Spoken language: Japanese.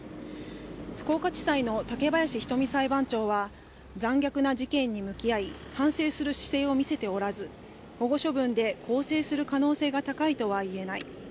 福岡地裁の武林仁美裁判長は、残虐な事件に向き合い、反省する姿勢を見せておらず、保護処分で更生する可能性が高いとは言えない。